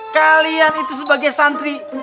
kalian itu sebagai santri